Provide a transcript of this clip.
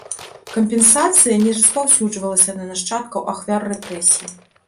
Кампенсацыя не распаўсюджвалася на нашчадкаў ахвяр рэпрэсій.